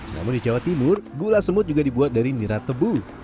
namun di jawa timur gula semut juga dibuat dari nira tebu